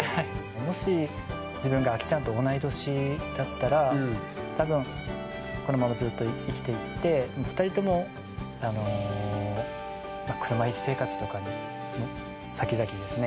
もし自分がアキちゃんと同い年だったら多分このままずっと生きていって２人ともあの車いす生活とかにさきざきですね